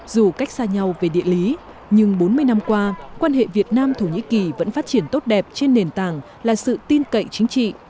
dù cách xa nhau về địa lý nhưng bốn mươi năm qua quan hệ việt nam thổ nhĩ kỳ vẫn phát triển tốt đẹp trên nền tảng là sự tin cậy chính trị